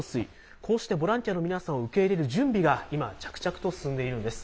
こうしてボランティアの皆さんを受け入れる準備が今、着々と進んでいるんです。